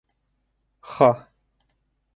Ха!..